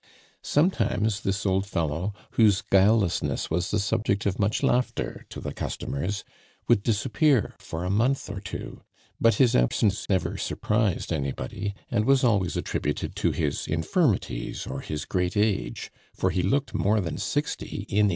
Sometimes this old fellow, whose guilelessness was the subject of much laughter to the customers, would disappear for a month or two; but his absence never surprised anybody, and was always attributed to his infirmities or his great age, for he looked more than sixty in 1811.